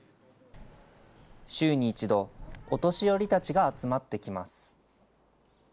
週に１度、お年寄りたちが集まってきます。